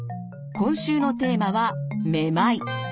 今週のテーマは「めまい」。